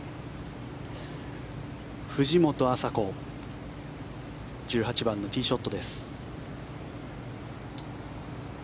藤本麻子１８番のティーショットです。